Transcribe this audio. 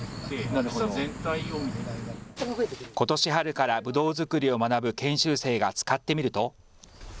ことし春からぶどう作りを学ぶ研修生が使ってみると。